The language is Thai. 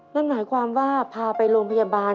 นั่นหมายความว่าพาไปโรงพยาบาล